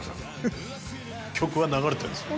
曲は流れてるんですよ。